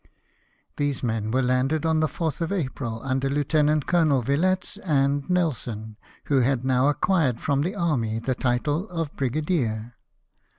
These men were landed on the 4th of April, under Lieutenant Colonel Villettes and Nelson, who had now acquired from the army the title of brigadier.